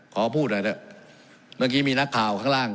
ขอพูดหน่อยเถอะเมื่อกี้มีนักข่าวข้างล่าง